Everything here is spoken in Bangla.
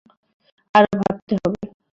আরো ভাবতে হবে।